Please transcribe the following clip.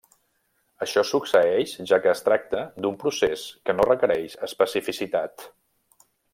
Això succeeix, ja que es tracta d'un procés que no requereix especificitat.